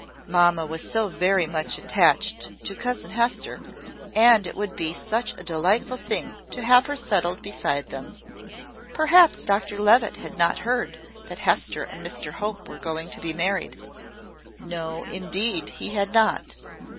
Mamma was so very much attached to cousin Hester, and it would be such a delightful thing to have her settled beside them! Perhaps Dr Levitt had not heard that Hester and Mr Hope were going to be married. No, indeed, he had not.